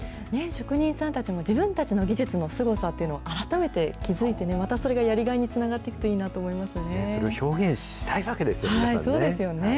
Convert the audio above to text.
職人さんたちも自分たちの技術のすごさというのを、改めて気付いて、またそれがやりがいにつながっていくといいなとそれを表現したいわけですよ、そうですよね。